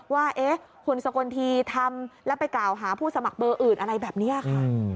ว่าคุณสกลทีทำแล้วไปกล่าวหาผู้สมัครเบอร์อื่นอะไรแบบนี้ค่ะ